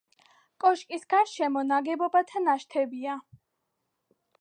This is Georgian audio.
კოშკის გარშემო ნაგებობათა ნაშთებია.